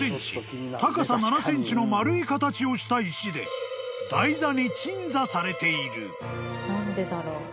高さ７ｃｍの丸い形をした石で台座に鎮座されている］